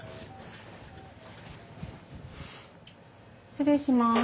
失礼します。